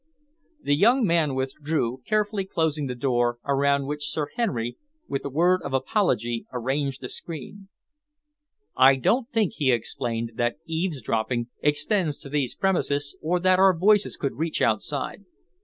The young man withdrew, carefully closing the door, around which Sir Henry, with a word of apology, arranged a screen. "I don't think," he explained, "that eavesdropping extends to these premises, or that our voices could reach outside.